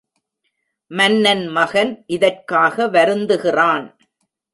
மன்னன் மகன் இதற்காக வருந்துகிறான்.